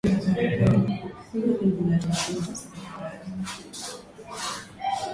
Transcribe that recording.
inahofiwa kutafuta sababu ya kuongeza kifungo